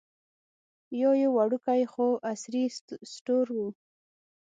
دا یو وړوکی خو عصري سټور و.